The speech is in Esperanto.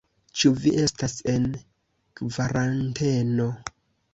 Ĉu vi estas en kvaranteno?